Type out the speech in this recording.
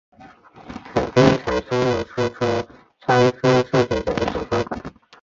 可编程输入输出传输数据的一种方法。